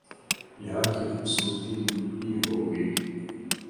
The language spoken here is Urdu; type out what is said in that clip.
یہاں کی خوبصورتی مٹی ہو گئی